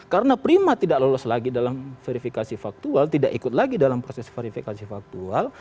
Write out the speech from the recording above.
karena prima tidak lolos lagi dalam verifikasi faktual tidak ikut lagi dalam proses verifikasi faktual